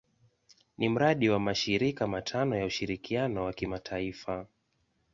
Ni mradi wa mashirika matano ya ushirikiano wa kimataifa.